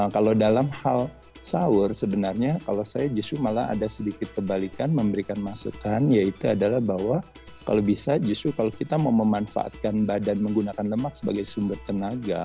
kalau dalam hal sahur sebenarnya kalau saya justru malah ada sedikit kebalikan memberikan masukan yaitu adalah bahwa kalau bisa justru kalau kita mau memanfaatkan badan menggunakan lemak sebagai sumber tenaga